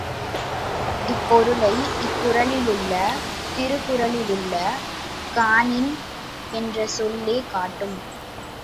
இப்பொருளை இக்குறளிலுள்ள திருக்குறளிலுள்ள காணின் என்ற சொல்லே காட்டும்.